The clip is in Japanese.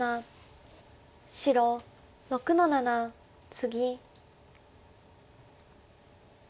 白６の七ツギ。